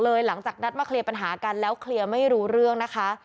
หลังจากนัดมาเคลียร์ปัญหากันแล้วเคลียร์ไม่รู้เรื่องนะคะ